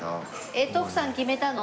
えっ徳さん決めたの？